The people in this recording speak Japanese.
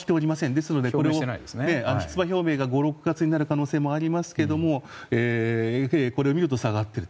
ですので出馬表明が５６月になる可能性もありますけどこれを見ると下がっている。